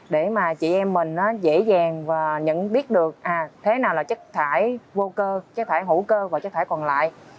để mà chị em mình nó dễ dàng và nhận biết được thế nào là chất thải vô cơ chất thải hữu cơ và chất thải còn lại